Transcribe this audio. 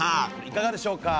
いかがでしょうか？